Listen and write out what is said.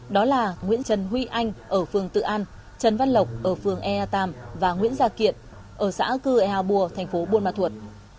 đó là nguyễn trần huy anh ở phường tự an trần văn lộc ở phường ea tàm và nguyễn gia kiện ở xã cư ea bùa thành phố buôn ma thuột